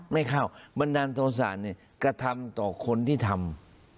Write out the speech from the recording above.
ไม่เข้าบันดาลโทษะเนี่ยกระทำต่อคนที่ทำ